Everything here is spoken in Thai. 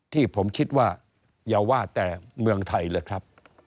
ที่ผมคิดว่าอย่าว่าแต่เมืองไทยเลยครับ